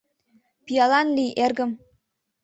— Пиалан лий, эргым.